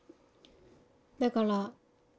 だから。